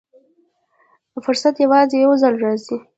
فرصت یوازې یو ځل راځي.